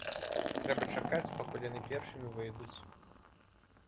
Трэба чакаць, пакуль яны першымі выйдуць.